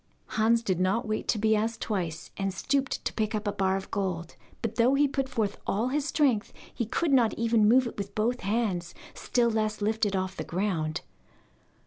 Hans did not wait to be asked twice, and stooped to pick up a bar of gold, but though he put forth all his strength he could not even move it with both hands, still less lift it off the ground.